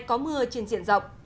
có mưa trên diện rộng